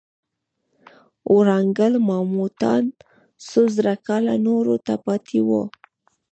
ورانګل ماموتان څو زره کاله نورو ته پاتې وو.